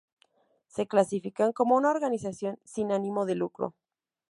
Se clasifican como una organización sin ánimo de lucro.